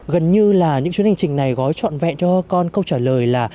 gần như là những chuyến hành trình này gói trọn vẹn cho con câu trả lời là